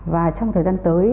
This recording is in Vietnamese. và trong thời gian tới